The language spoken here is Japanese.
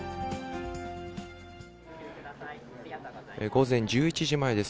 午前１１時前です。